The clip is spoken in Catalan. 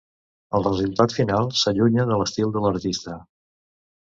El resultat final s'allunya de l'estil de l’artista.